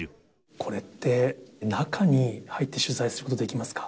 これって、中に入って取材することってできますか？